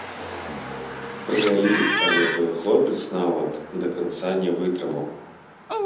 Прывялі, але той хлопец нават да канца не вытрымаў.